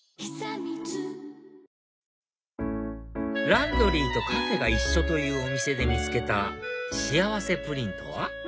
ランドリーとカフェが一緒というお店で見つけた幸せプリンとは？